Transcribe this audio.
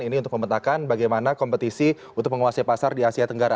ini untuk memetakan bagaimana kompetisi untuk menguasai pasar di asia tenggara